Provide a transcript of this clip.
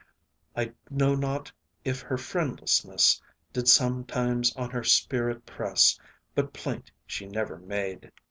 I know not if her friendlessness Did sometimes on her spirit press, But plaint she never made.